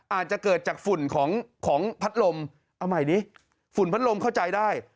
อาจจะเกิดจากฝุ่นของพัดลมเอาใหม่ดิฝุ่นพัดลมเข้าใจได้